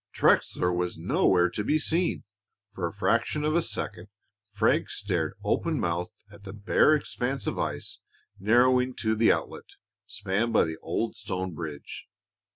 Trexler was nowhere to be seen! For a fraction of a second Frank stared open mouthed at the bare expanse of ice narrowing to the outlet, spanned by the old stone bridge.